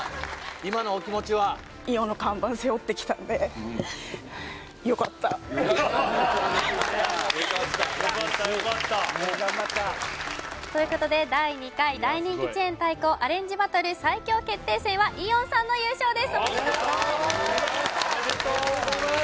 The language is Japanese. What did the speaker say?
今のお気持ちはよかったよかった頑張った第２回大人気チェーン対抗アレンジバトル最強決定戦はイオンさんの優勝ですおめでとうございます・おめでとうございます